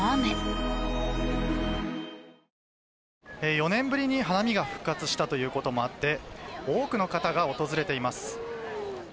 ４年ぶりに花見が復活したこともあって多くの方が訪れています。